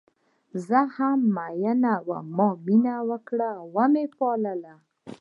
زه هم میینه وم ما مینه وکړه وه مې پالل